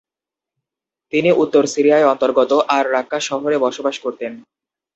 তিনি উত্তর সিরিয়ায় অন্তর্গত আর-রাক্কা শহরে বসবাস করতেন।